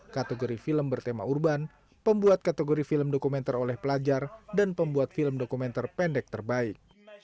kategori film bertema urban pembuat kategori film dokumenter oleh pelajar dan pembuat film dokumenter pendek terbaik